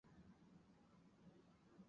车站旧名苏联列宁格勒荣誉站。